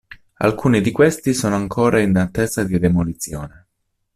Alcuni di questi sono ancora in attesa di demolizione.